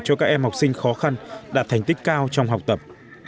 cho các em học sinh khó khăn đạt thành tích cao trong học tập